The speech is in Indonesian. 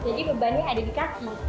jadi bebannya ada di kaki